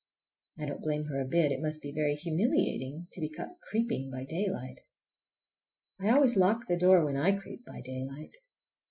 I don't blame her a bit. It must be very humiliating to be caught creeping by daylight! I always lock the door when I creep by daylight.